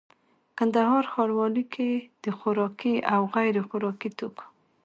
کندهار ښاروالي کي د خوراکي او غیري خوراکي توکو